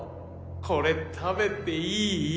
これ食べていい？